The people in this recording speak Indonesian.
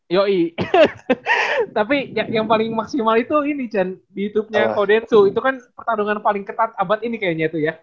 yoi tapi yang paling maksimal itu ini chan di youtubenya kodetsu itu kan pertarungan paling ketat abad ini kayaknya tuh ya